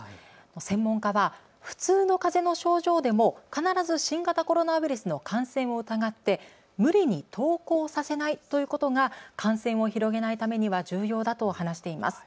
専門家は普通のかぜの症状でも必ず新型コロナウイルスの感染を疑って、無理に登校させないということが感染を広げないためには重要だと話しています。